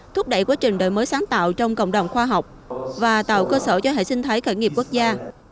thúc đẩy quá trình đổi mới sáng tạo trong cộng đồng khoa học và tạo cơ sở cho hệ sinh thái khởi nghiệp quốc gia